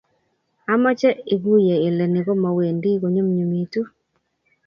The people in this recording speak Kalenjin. Amoche iguiye ile ni komowendi konyumnyumitu.